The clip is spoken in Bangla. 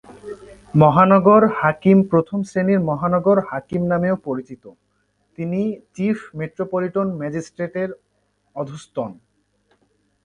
মহানগর হাকিম প্রথম শ্রেণির মহানগর হাকিম নামেও পরিচিত, তিনি চিফ মেট্রোপলিটন ম্যাজিস্ট্রেটের অধস্তন।